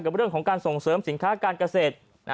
เรื่องของการส่งเสริมสินค้าการเกษตร